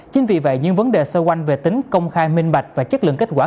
chính vì vậy những vấn đề xoay quanh về tính công khai minh bạch và chất lượng kết quả